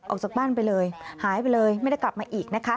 ออกจากบ้านไปเลยหายไปเลยไม่ได้กลับมาอีกนะคะ